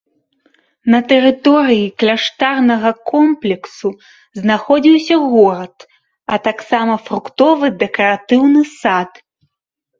На тэрыторыі кляштарнага комплексу знаходзіўся гарод, а таксама фруктовы дэкаратыўны сад.